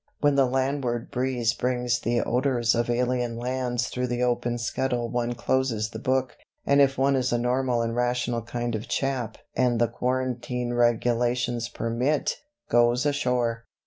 When the landward breeze brings the odours of alien lands through the open scuttle one closes the book, and if one is a normal and rational kind of chap and the quarantine regulations permit, goes ashore."